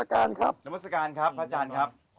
วัดสุทัศน์นี้จริงแล้วอยู่มากี่ปีตั้งแต่สมัยราชการไหนหรือยังไงครับ